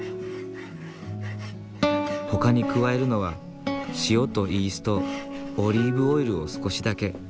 ほかに加えるのは塩とイーストオリーブオイルを少しだけ。